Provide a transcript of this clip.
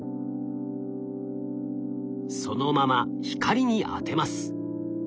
そのまま光に当てます。